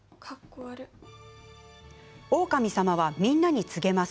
オオカミさまはみんなに告げます。